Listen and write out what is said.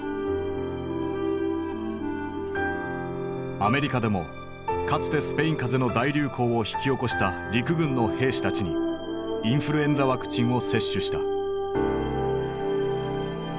アメリカでもかつてスペイン風邪の大流行を引き起こした陸軍の兵士たちにインフルエンザワクチンを接種した。